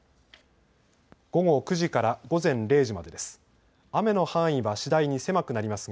午後９時から午前０時までです。